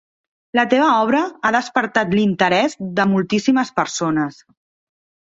La teva obra ha despertat l'interès de moltíssimes persones.